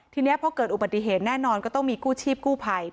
ทีนี้พอเกิดอุบัติเหตุแน่นอนก็ต้องมีกู้ชีพกู้ภัย